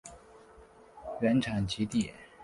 原产极地。